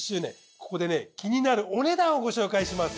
ここで気になるお値段をご紹介します。